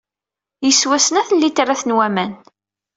Yeswa snat n litrat n waman